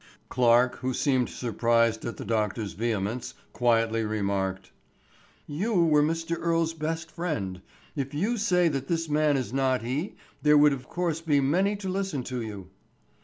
Clarke, who seemed surprised at the doctor's vehemence, quietly remarked: "You were Mr. Earle's best friend. If you say that this man is not he, there would of course be many to listen to you."